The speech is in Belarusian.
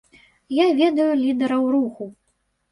Я ведаю лідэраў руху.